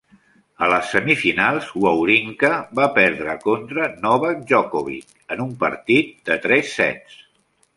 A les semifinals, Wawrinka va perdre contra Novak Djokovic en un partit de tres sets.